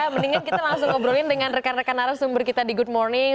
mendingan kita langsung ngobrolin dengan rekan rekan arah sumber kita di good morning